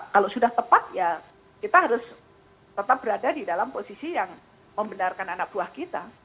kalau sudah tepat ya kita harus tetap berada di dalam posisi yang membenarkan anak buah kita